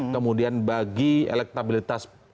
kemudian bagi elektabilitas